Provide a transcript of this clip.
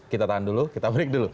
kita tahan dulu kita break dulu